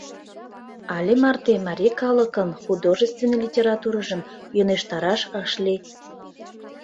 Але марте марий калыкын художественный литературыжым йӧнештараш ыш лий.